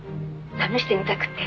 試してみたくって」